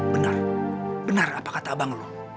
benar benar apa kata abang loh